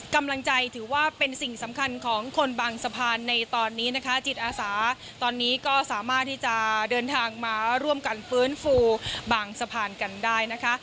กำลังใจถือว่าเป็นสิ่งสำคัญของคนบางสะพานในตอนนี้นะคะจิตอาสาตอนนี้ก็สามารถที่จะเดินทางมาร่วมกันฟื้นฟูบางสะพานกันได้นะคะ